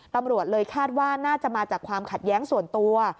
ตำรวจเลยคาดว่าน่าจะมาจากความขัดแย้งส่วนตัว